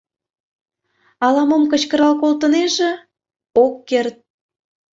Ала-мом кычкырал колтынеже — ок керт.